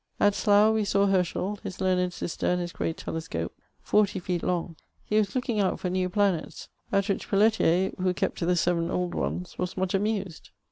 At Slough, we saw Hersdiel, his learned raster, and his great telescope, forty feet long : he was lookiog out fer new planets ; at which PeUetier, who k^ to the seven old ones, was much amused.